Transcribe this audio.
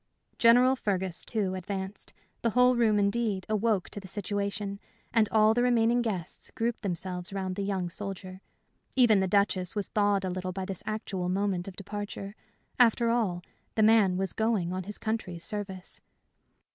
General Fergus, too, advanced. The whole room, indeed, awoke to the situation, and all the remaining guests grouped themselves round the young soldier. Even the Duchess was thawed a little by this actual moment of departure. After all, the man was going on his country's service.